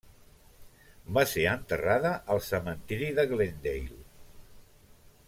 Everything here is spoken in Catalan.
Va ser enterrada al Cementiri de Glendale.